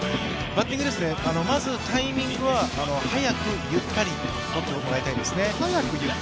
まずタイミングは速くゆったりとってもらいたいですね。